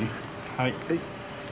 はい。